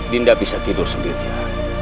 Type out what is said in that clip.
dinda bisa tidur sendirian